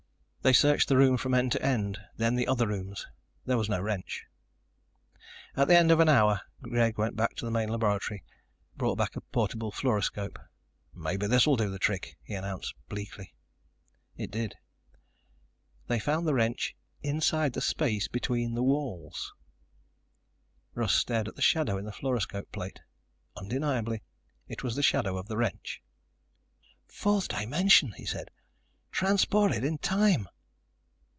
They searched the room from end to end, then the other rooms. There was no wrench. At the end of an hour Greg went back to the main laboratory, brought back a portable fluoroscope. "Maybe this will do the trick," he announced bleakly. It did. They found the wrench inside the space between the walls! Russ stared at the shadow in the fluoroscope plate. Undeniably it was the shadow of the wrench. "Fourth dimension," he said. "Transported in time."